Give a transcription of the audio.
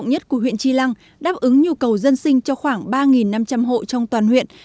huyện trí lăng tỉnh lạng sơn